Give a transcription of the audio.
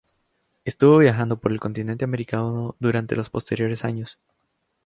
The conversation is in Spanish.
Estuvo viajando por el continente americano durante los posteriores años.